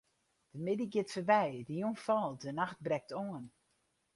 De middei giet foarby, de jûn falt, de nacht brekt oan.